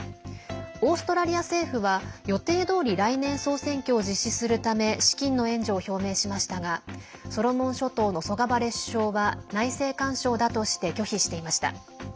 オーストラリア政府は予定どおり来年、総選挙を実施するため資金の援助を表明しましたがソロモン諸島のソガバレ首相は内政干渉だとして拒否していました。